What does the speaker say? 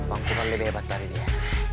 aku kan lebih hebat dari dia